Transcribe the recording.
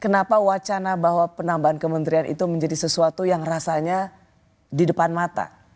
kenapa wacana bahwa penambahan kementerian itu menjadi sesuatu yang rasanya di depan mata